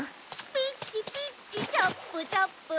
「ピッチピッチチャップチャップ」